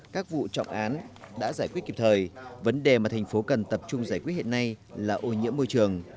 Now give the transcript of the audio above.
công án đã giải quyết kịp thời vấn đề mà thành phố cần tập trung giải quyết hiện nay là ô nhiễm môi trường